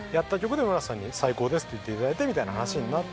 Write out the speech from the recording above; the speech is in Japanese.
村瀬さんに最高ですって言っていただいてみたいな話に。